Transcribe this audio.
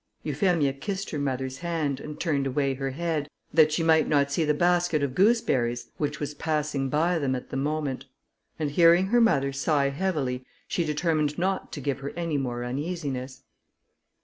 Euphemia kissed her mother's hand, and turned away her head, that she might not see the basket of gooseberries which was passing by them at the moment; and hearing her mother sigh heavily, she determined not to give her any more uneasiness.